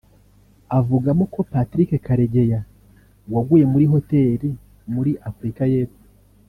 Avugamo ko Patrick Karegeya waguye muri Hotel muri Afurika y’Epfo